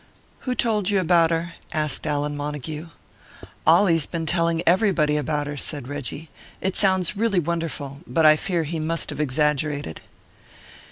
"Who told you about her?" asked Allan Montague. "Ollie's been telling everybody about her," said Reggie. "It sounds really wonderful. But I fear he must have exaggerated."